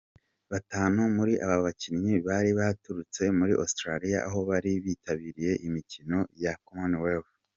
Batanu muri aba bakinnyi bari baturutse muri Australia aho bari bitabiriye imikino ya Commonwealth.